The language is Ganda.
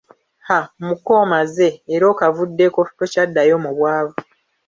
Ha Muko, omaze, era okavuddeko, tokyaddayo mu bwavu